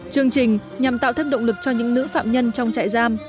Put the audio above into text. chương trình nhằm tạo thêm động lực cho những nữ phạm nhân trong trại giam